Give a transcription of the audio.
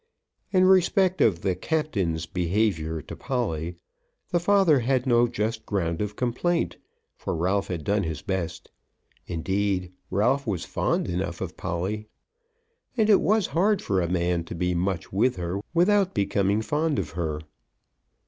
In respect of "the Captain's" behaviour to Polly, the father had no just ground of complaint, for Ralph had done his best. Indeed, Ralph was fond enough of Polly. And it was hard for a man to be much with her without becoming fond of her.